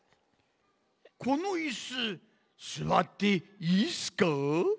このイスすわっていーっすか？